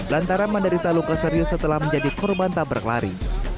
lantaran menderita luka serius setelah menjadi korban tabrak lari